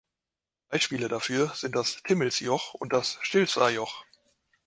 Beispiele dafür sind das Timmelsjoch und das Stilfser Joch.